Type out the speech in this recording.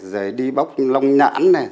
rồi đi bóc lông nhãn này